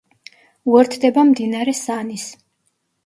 უერთდება მდინარე სანის.